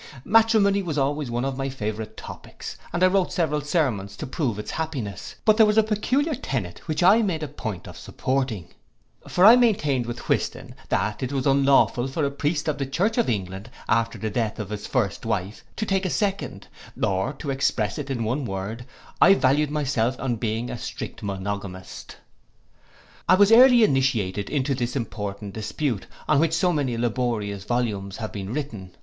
Matrimony was always one of my favourite topics, and I wrote several sermons to prove its happiness: but there was a peculiar tenet which I made a point of supporting; for I maintained with Whiston, that it was unlawful for a priest of the church of England, after the death of his first wife, to take a second, or to express it in one word, I valued myself upon being a strict monogamist. I was early innitiated into this important dispute, on which so many laborious volumes have been written.